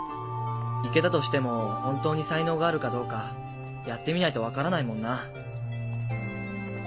行けたとしても本当に才能があるかどうかやってみないと分からないもんな。